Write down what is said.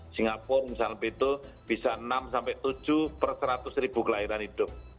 singapura misalnya lebih itu bisa enam sampai tujuh persatus ribu kelahiran hidup